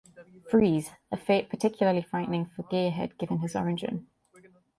Freeze, a fate particularly frightening for Gearhead given his origin.